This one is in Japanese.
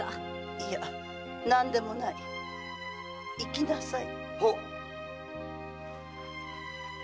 いや何でもない行きなさい。